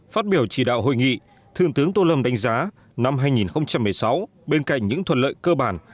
phát biểu chỉ đạo hội nghị thượng tướng tô lâm đánh giá năm hai nghìn một mươi sáu bên cạnh những thuận lợi cơ bản